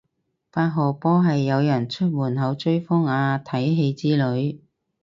八號波係有人出門口追風啊睇戲之類